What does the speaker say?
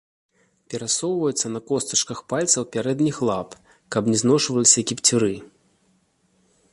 Перасоўваюцца на костачках пальцаў пярэдніх лап, каб не зношваліся кіпцюры.